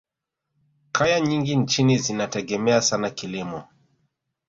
kaya nyingi nchini zinategemea sana kilimo